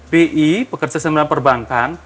bi pekerja sembilan perbankan